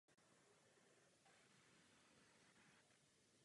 V Irsku mohli lidé hlasovat o nové ústavě, Lisabonské smlouvě.